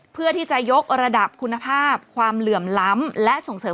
เพื่อที่จะยกระดับคุณภาพความเหลื่อมล้ำ